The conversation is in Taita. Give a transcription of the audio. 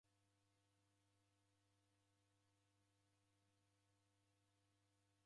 Omoni ni umu wa w'aja w'epinga siasa.